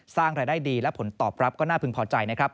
สร้างรายได้ดีและผลตอบรับก็น่าพึงพอใจนะครับ